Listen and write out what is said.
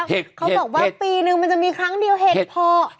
เขาบอกว่าปีนึงมันจะมีครั้งเดียวเห็นพอ